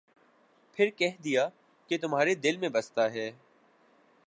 پھر کہہ دیا کہ تمھارے دل میں بستا ہے ۔